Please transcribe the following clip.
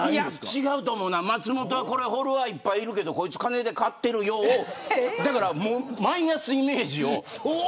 違うと思うな、松本はフォロワーはいっぱいいるけどこいつは金で買ってるよというマイナスイメージを。